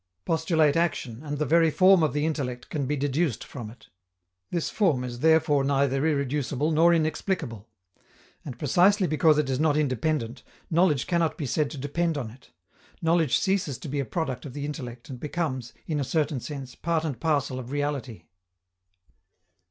Postulate action, and the very form of the intellect can be deduced from it. This form is therefore neither irreducible nor inexplicable. And, precisely because it is not independent, knowledge cannot be said to depend on it: knowledge ceases to be a product of the intellect and becomes, in a certain sense, part and parcel of reality.